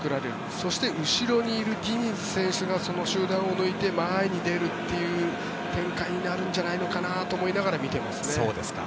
そして後ろにいるディニズ選手がその集団を抜いて前に出るという展開になるんじゃないかなと思いながら見ていますね。